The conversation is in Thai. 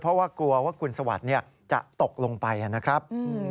เพราะว่ากลัวว่าคุณสวัสดิ์จะตกลงไปนะครับ